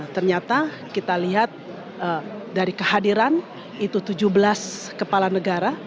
ternyata kita lihat dari kehadiran itu tujuh belas kepala negara